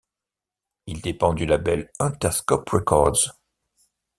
Il dépend du label Interscope Records.